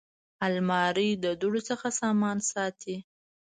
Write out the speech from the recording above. الماري د دوړو څخه سامان ساتي